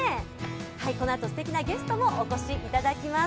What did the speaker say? このあとすてきなゲストもお越しいただきます。